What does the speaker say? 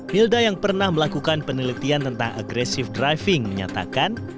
wilda yang pernah melakukan penelitian tentang agresif driving menyatakan